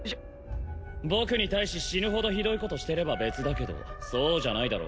僕に対し死ぬほどひどいことしてれば別だけどそうじゃないだろ？